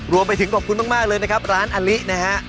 รวมไปถึงขอบคุณมากเลยนะครับร้านอลินะฮะ